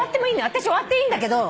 私終わっていいんだけど。